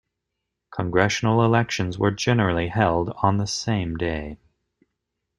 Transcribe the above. Congressional elections were generally held on the same day.